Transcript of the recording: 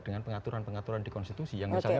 dengan pengaturan pengaturan di konstitusi yang misalnya